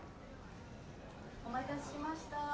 お待たせしました。